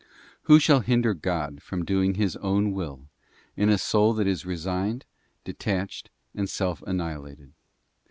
Who shall hinder God from doing His own will in a soul that is resigned, detached, and self annihilated